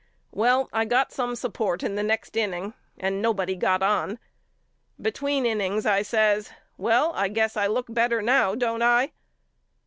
Well I got some support in the next inning and nobody got on. Between innings I says Well I guess I look better now don't I?